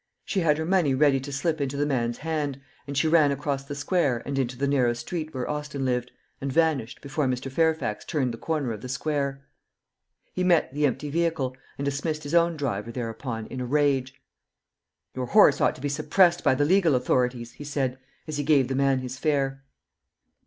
She had her money ready to slip into the man's hand, and she ran across the square and into the narrow street where Austin lived, and vanished, before Mr. Fairfax turned the corner of the square. He met the empty vehicle, and dismissed his own driver thereupon in a rage. "Your horse ought to be suppressed by the legal authorities," he said, as he gave the man his fare.